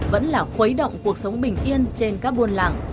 vẫn là khuấy động cuộc sống bình yên trên các buôn làng